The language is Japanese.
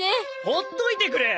ほっといてくれ！